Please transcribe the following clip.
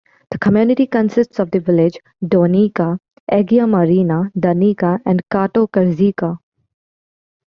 The community consists of the villages Douneika, Agia Marina, Danika and Kato Kertezeika.